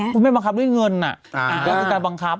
คุณแม่บังคับด้วยเงินอ่ะแล้วก็เป็นการบังคับอ่ะ